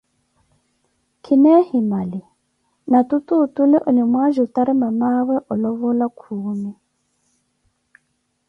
Khina ehimali, natutu otule onimwaajutari mamaawe olovola khuuni